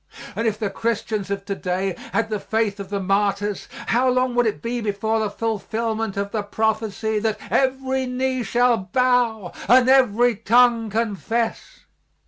And if the Christians of to day had the faith of the martyrs, how long would it be before the fulfilment of the prophecy that "every knee shall bow and every tongue confess?"